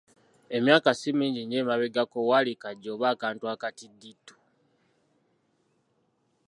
Emyaka si mingi nnyo emabegako wali kagi oba akantu akatiddiitu.